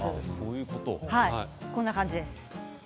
こんな感じです。